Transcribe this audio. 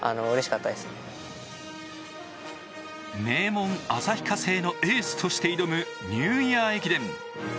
名門・旭化成のエースとして挑むニューイヤー駅伝。